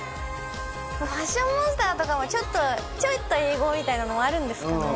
「ファッションモンスター」とかはちょっとちょっと英語みたいなのもあるんですかね